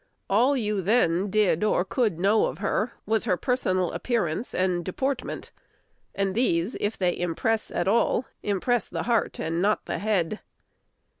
All you then did or could know of her was her personal appearance and deportment; and these, if they impress at all, impress the heart, and not the head.